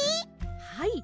はい。